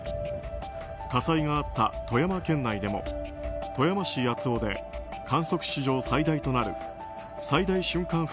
火災があった富山県内でも富山市八尾で観測史上最大となる最大瞬間